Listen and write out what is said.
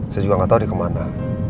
saya juga gak tau dia kemana